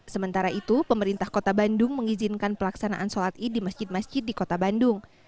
sementara itu pemerintah kota bandung mengizinkan pelaksanaan sholat id di masjid masjid di kota bandung